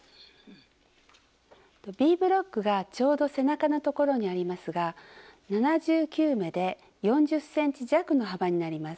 Ｂブロックがちょうど背中のところにありますが７９目で４０ｃｍ弱の幅になります。